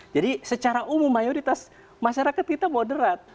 jadi secara umum mayoritas masyarakat kita moderat